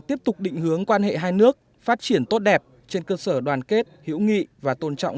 tiếp tục định hướng quan hệ hai nước phát triển tốt đẹp trên cơ sở đoàn kết hữu nghị và tôn trọng